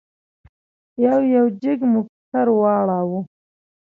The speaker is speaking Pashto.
یو یو جېک مو پر سر واړاوه.